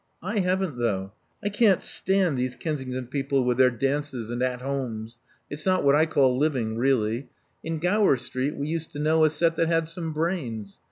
I haven't, though. I can't stand these Kensington people with their dances and at homes. It's not what I call living really. In Gower Street we used to know a set that had some brains.